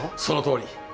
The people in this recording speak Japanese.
そのとおり。